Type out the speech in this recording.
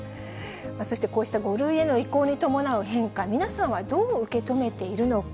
そしてこうした５類への移行に伴う変化、皆さんはどう受け止めているのか。